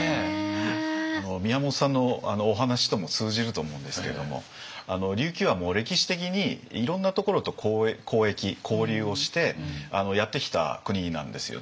宮本さんのお話とも通じると思うんですけれども琉球は歴史的にいろんなところと交易交流をしてやってきた国なんですよね。